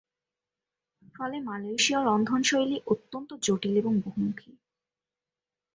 ফলে মালয়েশীয় রন্ধনশৈলী অত্যন্ত জটিল এবং বহুমুখী।